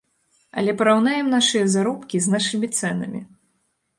Але параўнаем нашы заробкі з нашымі цэнамі.